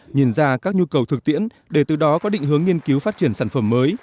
nhìn ra các nhu cầu thực tiễn để từ đó có định hướng nghiên cứu phát triển sản phẩm mới